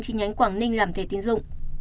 trên nhánh quảng ninh làm thẻ tiến dụng